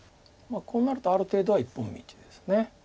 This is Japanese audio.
こうなるとある程度は一本道です。